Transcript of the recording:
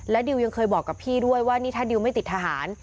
ดิวยังเคยบอกกับพี่ด้วยว่านี่ถ้าดิวไม่ติดทหาร